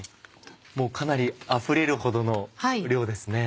かなりあふれるほどの量ですね。